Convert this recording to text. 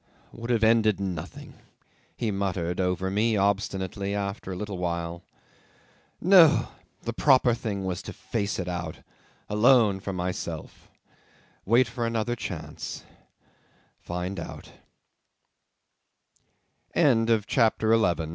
'"... Would have ended nothing," he muttered over me obstinately, after a little while. "No! the proper thing was to face it out alone for myself wait for another chance find